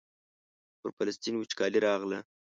پر فلسطین وچکالي راغله.